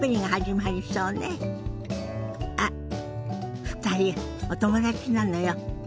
あっ２人お友達なのよ。